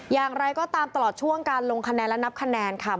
อย่างไรก็ตามตลอดช่วงการลงคะแนนและนับคะแนนค่ะ